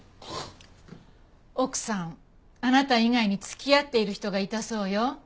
奥さんあなた以外に付き合っている人がいたそうよ。